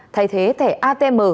thay thế thẻ atm